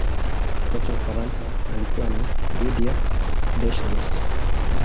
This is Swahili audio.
kocha wa ufaransa alikuwa ni didier deschamps